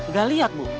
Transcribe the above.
gak lihat bu